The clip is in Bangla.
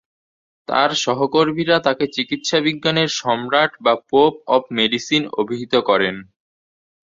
তার সহকর্মীরা তাকে চিকিৎসাবিজ্ঞানের সম্রাট বা পোপ অব মেডিসিন অভিহিত করেন।